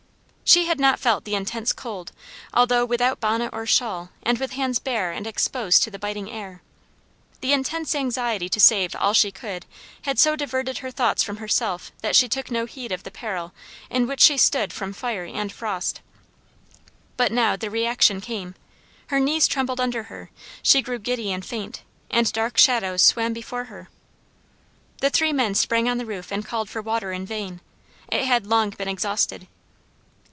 She had not felt the intense cold, although without bonnet or shawl, and with hands bare and exposed to the biting air. The intense anxiety to save all she could had so diverted her thoughts from herself that she took no heed of the peril in which she stood from fire and frost. But now the reaction came; her knees trembled under her, she grew giddy and faint, and dark shadows swam before her. The three men sprang on the roof and called for water in vain; it had long been exhausted.